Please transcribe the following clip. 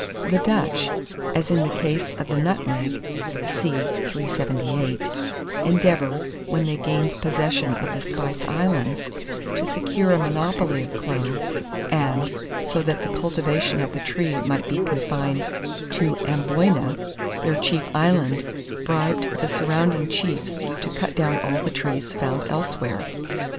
The Dutch, as in the case of the nutmeg (see 378), endeavoured, when they gained possession of the Spice Islands, to secure a monopoly of cloves, and, so that the cultivation of the tree might be confined to Amboyna, their chief island, bribed the surrounding chiefs to cut down all trees found elsewhere.